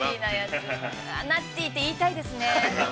◆ナッティーって言いたいですね。